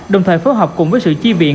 đồng thời phối hợp cùng với sự chi viện